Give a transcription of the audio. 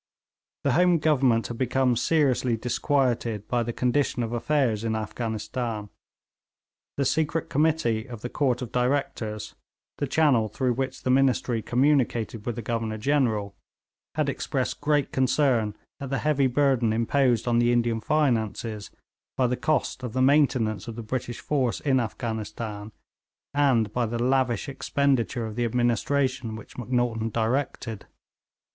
The Home Government had become seriously disquieted by the condition of affairs in Afghanistan. The Secret Committee of the Court of Directors, the channel through which the ministry communicated with the Governor General, had expressed great concern at the heavy burden imposed on the Indian finances by the cost of the maintenance of the British force in Afghanistan, and by the lavish expenditure of the administration which Macnaghten directed.